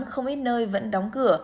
không ít nơi vẫn đóng cửa